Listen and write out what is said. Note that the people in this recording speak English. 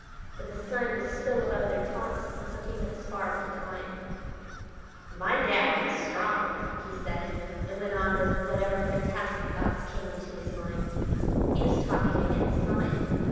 But the sun was still above their tops, so he must spar for time "My Tao is strong," he said, and went on with whatever fantastic thoughts came into his mind. He was talking against time.